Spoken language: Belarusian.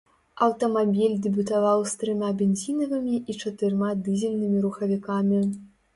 Аўтамабіль дэбютаваў з трыма бензінавымі і чатырма дызельнымі рухавікамі.